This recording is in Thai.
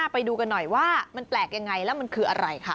ไปดูกันหน่อยว่ามันแปลกยังไงแล้วมันคืออะไรค่ะ